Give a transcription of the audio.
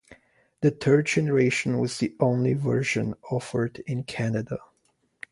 The third generation was the only version offered in Canada.